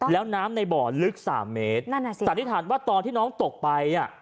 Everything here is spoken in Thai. แล้วน้ำในบ่อลึก๓เมตรสันนิษฐานว่าตอนที่น้องตกไป